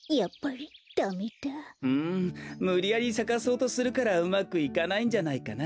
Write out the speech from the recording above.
むりやりさかそうとするからうまくいかないんじゃないかな？